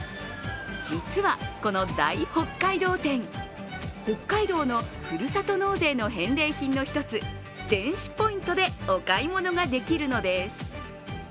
実はこの大北海道展、北海道のふるさと納税の返礼品の１つ、電子ポイントでお買い物ができるのです。